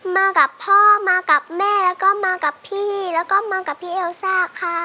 มากับพ่อมากับแม่แล้วก็มากับพี่แล้วก็มากับพี่เอลซ่าค่ะ